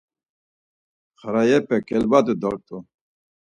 Xarayepe kelvadu dort̆u.